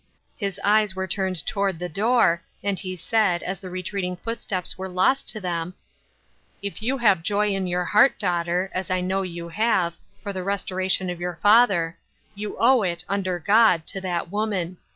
His eyes were turned toward the door, and he said, as the retreating footsteps were lost to them :" If you have joy in your heart, daughter — as I know you have — for the restoration of your father, you owe it, under God, to that woman.